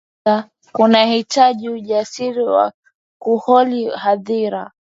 kutangaza kunahitaji ujasiri wa kuhoji hadhira